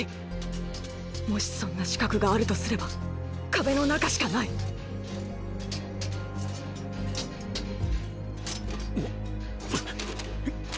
もしそんな死角があるとすれば壁の中しかないお！